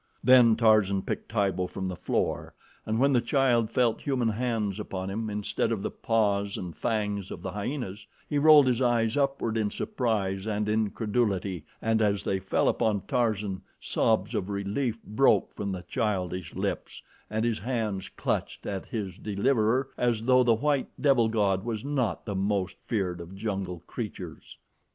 Then Tarzan picked Tibo from the floor, and when the child felt human hands upon him instead of the paws and fangs of the hyenas, he rolled his eyes upward in surprise and incredulity, and as they fell upon Tarzan, sobs of relief broke from the childish lips and his hands clutched at his deliverer as though the white devil god was not the most feared of jungle creatures.